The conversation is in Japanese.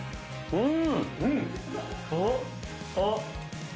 うん。